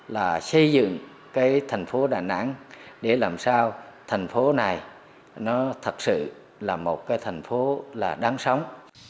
là xây dựng cái thành phố đà nẵng để làm sao thành phố này nó thật sự là một cái thành phố là đáng sống